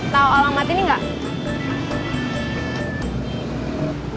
tau orang mati ini gak